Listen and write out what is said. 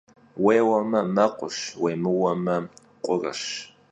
Vuêueme – mekhuş, vuêmıueme, khureş.